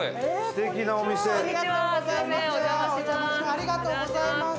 ありがとうございます。